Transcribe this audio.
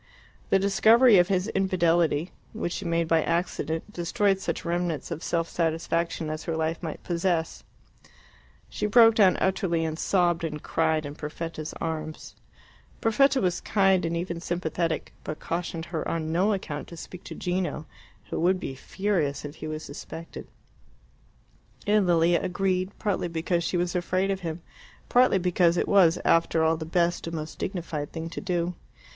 The discovery of his infidelity which she made by accident destroyed such remnants of self satisfaction as her life might yet possess. She broke down utterly and sobbed and cried in Perfetta's arms. Perfetta was kind and even sympathetic, but cautioned her on no account to speak to Gino, who would be furious if he was suspected. And Lilia agreed, partly because she was afraid of him, partly because it was, after all, the best and most dignified thing to do.